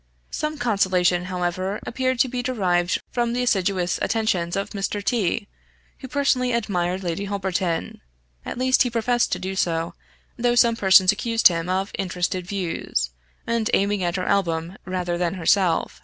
Some consolation, however, appeared to be derived from the assiduous attentions of Mr. T , who personally admired Lady Holberton; at least he professed to do so, though some persons accused him of interested views, and aiming at her album rather than herself.